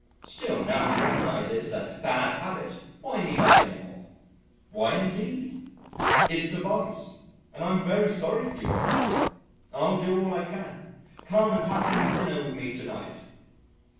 Still, now you recognise it as a bad habit, why need I say more?" ("Why indeed?") "It's a vice, and I'm very sorry for you, old boy. I'll do all I can come and have some dinner with me to night."